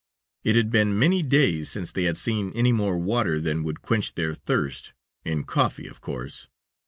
It had been many days since they had seen any more water than would quench their thirst in coffee, of course.